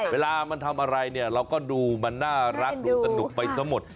เวลามันทำอะไรเราก็ดูมันน่ารักดูกระดูกไปสมมติ